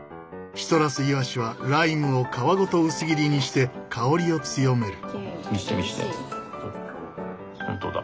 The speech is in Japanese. シトラスイワシはライムを皮ごと薄切りにして香りを強める。